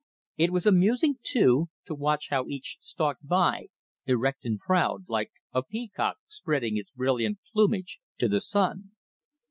It was amusing, too, to watch how each stalked by, erect and proud, like a peacock spreading its brilliant plumage to the sun.